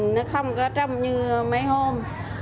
nó không có trong như mấy hôm